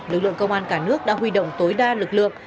lực lượng công an cả nước đã huy động tối đa lực lượng